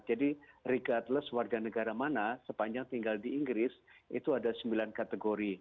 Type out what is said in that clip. jadi regardless warga negara mana sepanjang tinggal di inggris itu ada sembilan kategori